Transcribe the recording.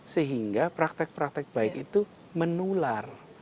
sehingga praktek praktek baik itu menular